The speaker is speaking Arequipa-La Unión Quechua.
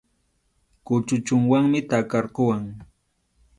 Kuchuchunwanmi takarquwan.